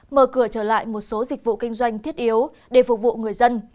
mở cửa trở lại một số dịch vụ kinh doanh thiết yếu để phục vụ người dân